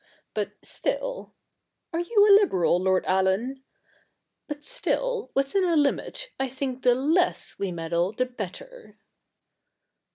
But still — (are you a Liberal, Lord Allen?) — but still, within a limit, I think the less we meddle the better.'